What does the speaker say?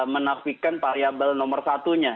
menafikan variabel nomor satunya